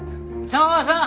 そうそう！